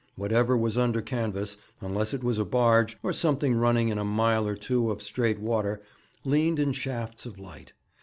Whatever was under canvas, unless it was a barge, or something running in a mile or two of straight water, leaned in shafts of light.